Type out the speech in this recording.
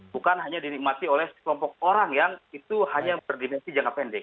bukan hanya dinikmati oleh sekelompok orang yang itu hanya berdimensi jangka pendek